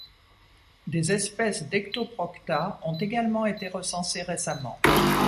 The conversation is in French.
Des espèces d'Ectoprocta ont également été recensées récemment.